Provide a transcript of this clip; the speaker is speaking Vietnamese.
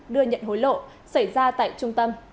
đưa nhận hối lộ xảy ra tại trung tâm